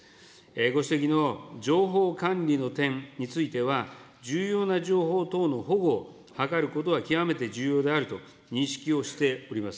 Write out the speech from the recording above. ご指摘の情報管理の点については、重要な情報等の保護を図ることは極めて重要であると認識をしております。